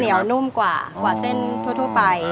เหนียวนุ่มกว่าเส้นทั่วไป